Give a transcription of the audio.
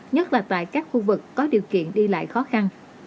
nhất là tại các khu vực có điều kiện đi lại khó khăn